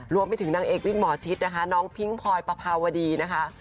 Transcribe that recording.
รวมไปถึงนางเอกวิกหมอชิดนะคะน้องพิ้งพลอยปภาวดีนะคะ